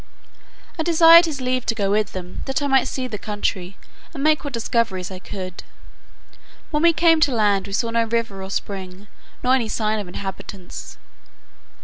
I desired his leave to go with them, that I might see the country, and make what discoveries I could. When we came to land we saw no river or spring, nor any sign of inhabitants.